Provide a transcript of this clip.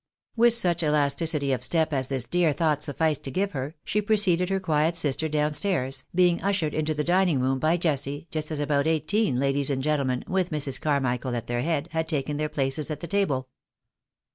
With such elasticity of step as this dear thought sufficed to give her, she preceded her quiet sister down stairs, being ushered into the dining room by Jessy, just as about eighteen ladies and gentlemen, with Mrs. Carmichael at their head, had taken their places at table.